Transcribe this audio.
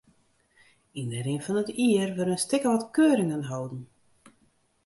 Yn de rin fan it jier wurde in stik of wat keuringen holden.